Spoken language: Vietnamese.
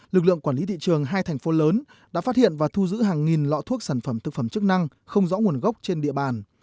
lực lượng quản lý thị trường hai thành phố lớn đã phát hiện và thu giữ hàng nghìn lọ thuốc sản phẩm thực phẩm chức năng không rõ nguồn gốc trên địa bàn